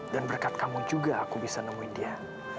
dan berkat kamu juga aku bisa nemuin dia